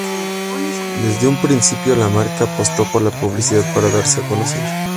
Desde un principio, la marca apostó por la publicidad para darse a conocer.